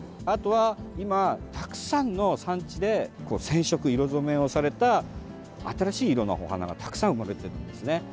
あとは今、たくさんの産地で染色、色染めをされた新しい色のお花がたくさん生まれているんですね。